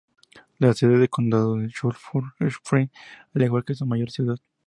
La sede del condado es Sulphur Springs, al igual que su mayor ciudad.